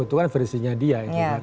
itu kan versinya dia